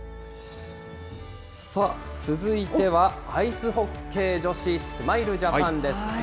さあ続いては、アイスホッケー女子、スマイルジャパンです。